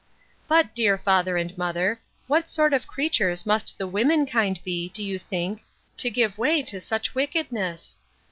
But, dear father and mother, what sort of creatures must the womenkind be, do you think, to give way to such wickedness?